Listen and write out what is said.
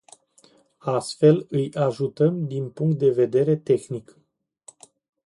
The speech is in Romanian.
Astfel, îi ajutăm din punct de vedere tehnic.